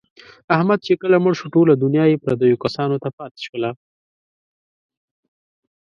احمد چې کله مړ شو، ټوله دنیا یې پردیو کسانو ته پاتې شوله.